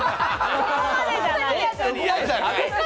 そこまでじゃない。